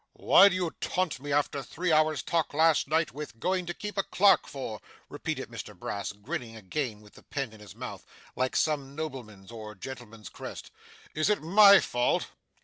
'What do you taunt me, after three hours' talk last night, with going to keep a clerk for?' repeated Mr Brass, grinning again with the pen in his mouth, like some nobleman's or gentleman's crest. 'Is it my fault?